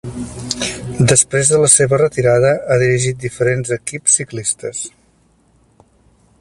Després de la seva retirada ha dirigit diferents equips ciclistes.